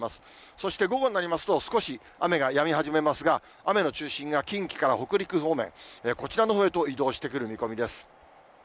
そして、午後になりますと、少し雨がやみ始めますが、雨の中心が近畿から北陸方面、こちらの方へと移動してくる見込みです。